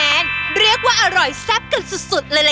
ฝั่งแม่บ้านทอบจึงได้คะแนนน้ำต้มยำใส่แซ่บก็รับไปเต็มถึง๙๖คะแนนค่ะ